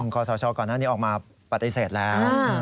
ขอสชก่อนหน้านี้ออกมาปฏิเสธแล้ว